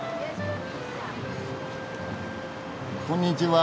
こんにちは。